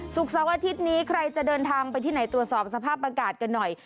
เสาร์อาทิตย์นี้ใครจะเดินทางไปที่ไหนตรวจสอบสภาพอากาศกันหน่อย